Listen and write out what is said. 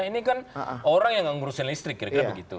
ini kan orang yang ngurusin listrik kira kira begitu